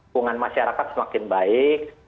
hubungan masyarakat semakin baik